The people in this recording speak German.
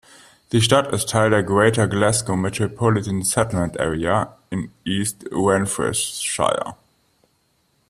Die Stadt ist Teil der Greater Glasgow Metropolitan Settlement Area in East Renfrewshire.